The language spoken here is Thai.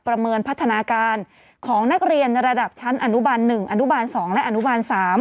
ประเมินพัฒนาการของนักเรียนระดับชั้นอนุบาล๑อนุบาล๒และอนุบาล๓